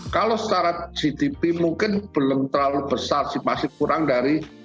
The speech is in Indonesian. kalau secara gdp mungkin belum terlalu besar masih kurang dari satu lima miliar dolar